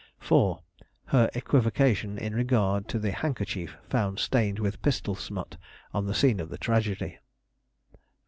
4. Her equivocation in regard to the handkerchief found stained with pistol smut on the scene of the tragedy.